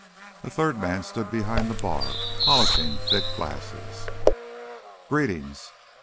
A third man stood behind the bar polishing thick glasses. "Greetings!"